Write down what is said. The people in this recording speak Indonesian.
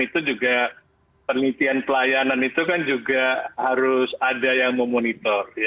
itu juga penelitian pelayanan itu kan juga harus ada yang memonitor